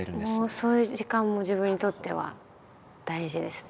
そういう時間も自分にとっては大事ですね。